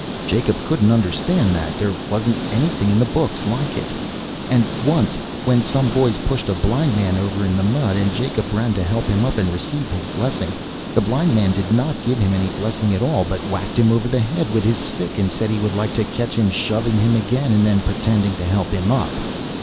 Jacob couldn't understand that. There wasn't anything in the books like it. And once, when some bad boys pushed a blind man over in the mud, and Jacob ran to help him up and receive his blessing, the blind man did not give him any blessing at all, but whacked him over the head with his stick and said he would like to catch him shoving him again, and then pretending to help him up.